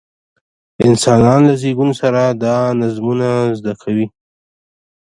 انسانان له زېږون سره دا نظمونه زده کوي.